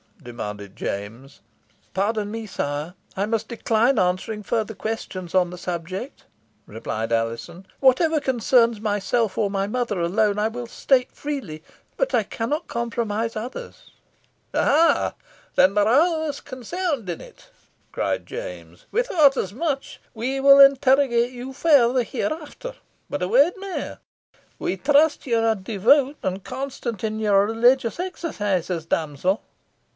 demanded James. "Pardon me, sire, I must decline answering further questions on the subject," replied Alizon. "Whatever concerns myself or my mother alone, I will state freely, but I cannot compromise others." "Aha! then there are others concerned in it?" cried James. "We thought as much. We will interrogate you further hereafter but a word mair. We trust ye are devout, and constant in your religious exercises, damsel."